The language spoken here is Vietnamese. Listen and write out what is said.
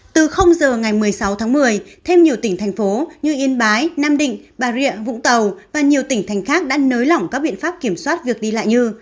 từ giờ ngày một mươi sáu tháng một mươi thêm nhiều tỉnh thành phố như yên bái nam định bà rịa vũng tàu và nhiều tỉnh thành khác đã nới lỏng các biện pháp kiểm soát việc đi lại như